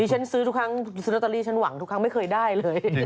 เออดิฉันซื้อทุกครั้งซุฬอตตอฟเรศฉันหวังไม่เคยได้เลย